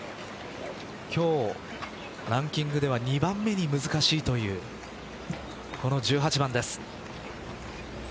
今日ランキングでは２番目に難しいというこの１８番です。